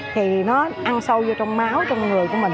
thì nó ăn sâu vô trong máu trong người của mình